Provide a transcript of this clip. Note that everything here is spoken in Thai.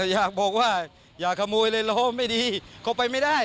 อยากบอกว่าอย่าขโมยเลยล้อไม่ดีก็ไปไม่ได้